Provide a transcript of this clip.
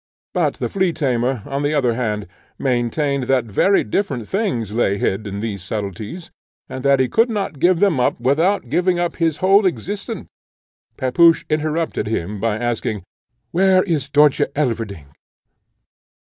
But the flea tamer, on the other hand, maintained, that very different things lay hid in these subtleties, and that he could not give them up without giving up his whole existence. Pepusch interrupted him by asking, "Where is Dörtje Elverdink?"